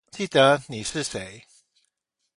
記得你是誰